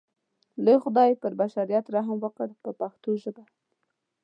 لوی خدای پر بشریت رحم وکړ په پښتو ژبه.